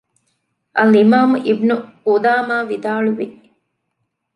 އަލްއިމާމު އިބްނުޤުދާމާ ވިދާޅުވި